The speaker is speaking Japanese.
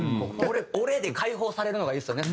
「オレ！」で解放されるのがいいですよね